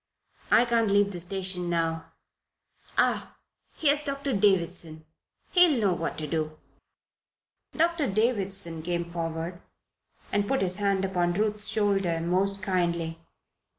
"I can't leave the station now Ah! here's Doctor Davison. He'll know what to do." Doctor Davison came forward and put his hand upon Ruth's shoulder most kindly.